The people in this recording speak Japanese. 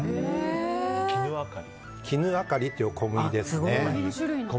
きぬあかりという小麦です。